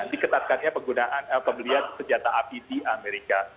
diketatkannya penggunaan pembelian senjata api di amerika